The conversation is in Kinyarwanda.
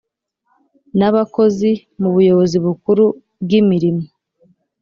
N abakozi mu buyobozi bukuru bw imirimo